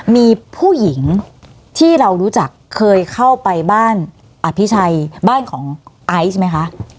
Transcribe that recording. มีผู้หญิงที่เรารู้จักเคยเข้าไปบ้านอภิชัยบ้านของไอซ์ไหมคะ